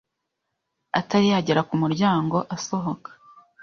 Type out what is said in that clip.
atari yagera ku muryango asohoka